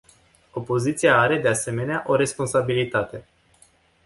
Opoziția are, de asemenea, o responsabilitate.